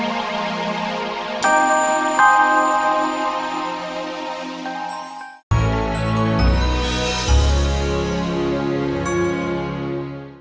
jangan sembarangan kau